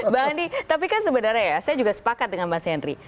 bang andi tapi kan sebenarnya ya saya juga sepakat dengan mas henry